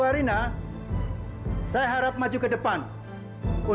baru jadi madu